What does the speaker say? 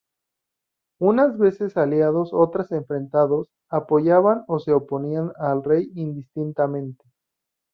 Unas veces aliados, otras enfrentados, apoyaban o se oponían al rey indistintamente.